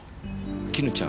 絹ちゃん？